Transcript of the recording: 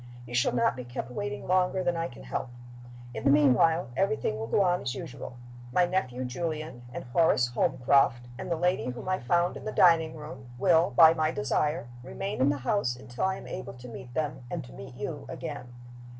You shall not be kept waiting longer than I can help. In the meanwhile everything will go on as usual. My nephew Julian, and Horace Holmcroft, and the lady whom I found in the dining room, will, by my desire, remain in the house until I am able to meet them, and to meet you, again."